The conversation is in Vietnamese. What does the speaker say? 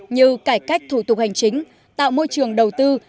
như cải cách thủ tục hành chính tạo môi trường đầu tư